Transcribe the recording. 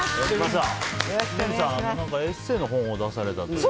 レミさん、エッセーの本を出されたということで。